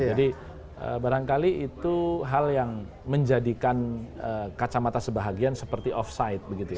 jadi barangkali itu hal yang menjadikan kacamata sebahagian seperti off site begitu ya